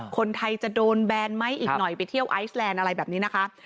คนไทยจะโดนแบนไหมอีกหน่อยไปเที่ยวไอซแลนด์อะไรแบบนี้นะคะ